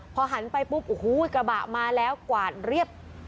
พอหันไปปุ๊บโอ้โหกระบะมาแล้วกวาดเรียบ